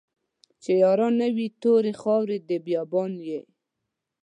چې ياران نه وي توري خاوري د بيا بان يې